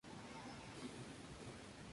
No contiene ninguna estrella brillante.